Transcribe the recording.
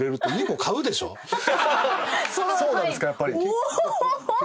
そうなんですかやっぱり。